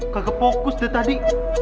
kagak fokus dari tadi